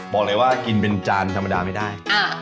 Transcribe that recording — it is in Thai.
บอกเลยว่ากินเป็นจานธรรมดาไม่ได้